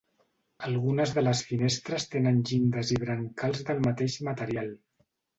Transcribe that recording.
Algunes de les finestres tenen llindes i brancals del mateix material.